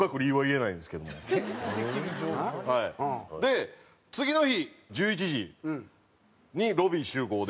で次の日１１時にロビー集合で。